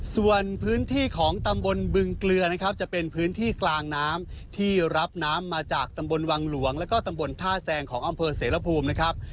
ส่วนพื้นที่ของตำบลบึงเกลือนะครับจะเป็นพื้นที่กลางน้ำที่รับน้ำมาจากตำบลวังหลวงแล้วก็ตำบลท่าแซงของอำเภอเสรภูมินะครับ